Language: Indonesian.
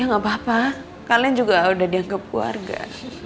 ya nggak apa apa kalian juga udah dianggap keluarga